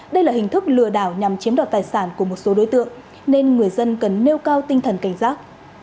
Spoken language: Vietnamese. đây là hình thức lừa đảo nhằm chiếm đoạt tài sản của một số đối tượng nên người dân cần nêu cao tinh thần cảnh giác